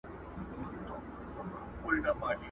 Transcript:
سترګي سرې غټه سینه ببر برېتونه٫